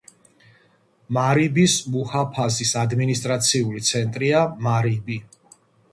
მარიბის მუჰაფაზის ადმინისტრაციული ცენტრია მარიბი.